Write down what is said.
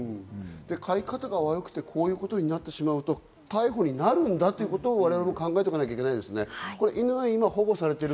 飼い方が悪くて、こういうことになってしまうと逮捕になるんだということを我々も考えなきゃいけないですね。